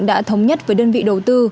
đã thống nhất với đơn vị đầu tư